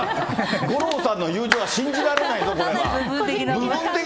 五郎さんの友情は信じられないぞ、これは。